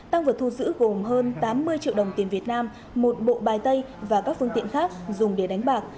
tăng vật thu giữ gồm hơn tám mươi triệu đồng tiền việt nam một bộ bài tay và các phương tiện khác dùng để đánh bạc